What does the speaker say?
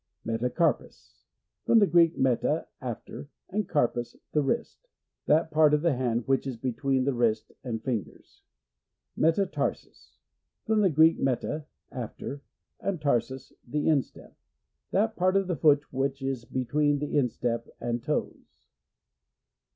Metacarpus. — From the Greek, meta, after, and karpos, the wrist. That part of the hand which is between the wrist and fingers. Metatarsus. — From the Grcck,»iffa, after, and tamos, the instep. That part of the foot which is between the instep and toes.